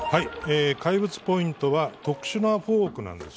怪物ポイントは特殊なフォークなんです。